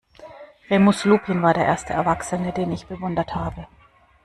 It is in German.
Remus Lupin war der erste Erwachsene, den ich bewundert habe.